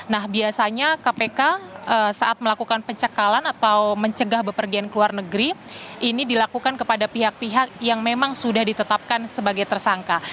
nah biasanya kpk saat melakukan pencekalan atau mencegah bepergian ke luar negeri ini dilakukan kepada pihak pihak yang memang sudah ditetapkan sebagai tersangka